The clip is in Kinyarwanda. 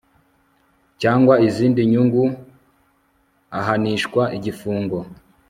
cyangwa izindi nyungu ahanishwa igifungo